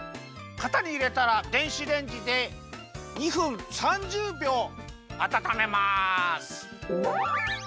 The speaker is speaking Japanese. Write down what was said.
かたにいれたら電子レンジで２分３０びょうあたためます。